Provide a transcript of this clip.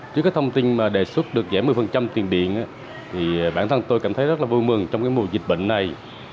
trước các thông tin đề xuất được giảm một mươi tiền điện thì bản thân tôi cảm thấy rất vui mừng trong mùa dịch bệnh này